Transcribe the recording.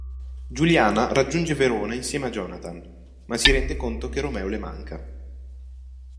Giuliana raggiunge Verona insieme a Jonathan, ma si rende conto che Romeo le manca.